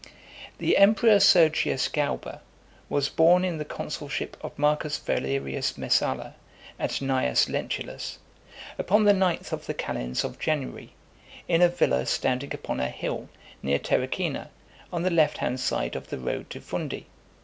The emperor Sergius Galba was born in the consulship of M. Valerius Messala, and Cn. Lentulus, upon the ninth of the calends of January [24th December] , in a villa standing upon a hill, near Terracina, on the left hand side of the road to Fundi .